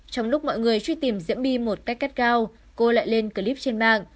trong lúc mọi người truy tìm diễm my một cách cắt gao cô lại lên clip trên mạng